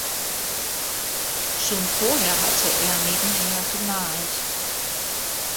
Schon vorher hatte er nebenher gemalt.